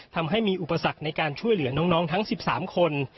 ทำให้มีอุปสรรคในการช่วยเหลือน้องทั้ง๑๓คน